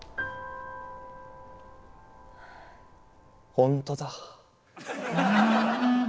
本当だ。